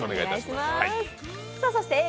そしてＡぇ！